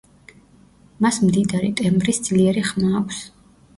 მას მდიდარი ტემბრის ძლიერი ხმა აქვს.